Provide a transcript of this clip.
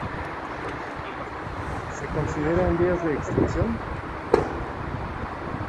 Se considera en vías de extinción.